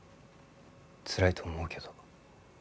つらいと思うけど。